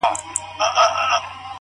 o هغه شپه مي ټوله سندريزه وه،